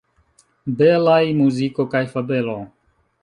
Belaj muziko kaj fabelo!